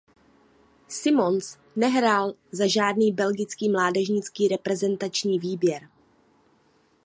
Simons nehrál za žádný belgický mládežnický reprezentační výběr.